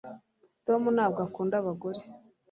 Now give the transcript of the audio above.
Tom ntabwo akunda abagore